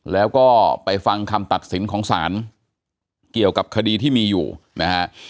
แล้วก็ไปฟังคำตัดสินของศาลเกี่ยวกับคดีที่มีอยู่นะฮะ